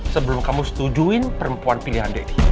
sebelum kamu setujuin perempuan pilihan deddy